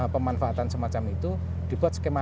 pemanfaatan semacam itu dibuat skema